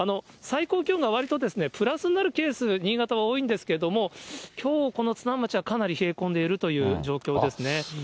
最高気温がわりとプラスになるケース、新潟は多いんですけれども、きょうこの津南町は、かなり冷え込んでいるという状況ですね。